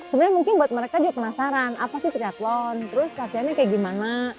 sebenarnya mungkin buat mereka juga penasaran apa sih triathlon terus latihannya kayak gimana